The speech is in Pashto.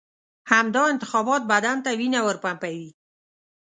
همدا انتخابات بدن ته وینه ورپمپوي.